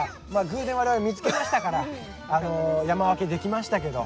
偶然我々見つけましたから山分けできましたけど。